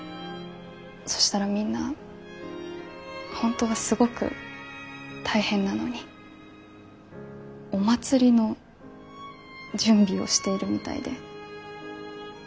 そしたらみんな本当はすごく大変なのにお祭りの準備をしているみたいで。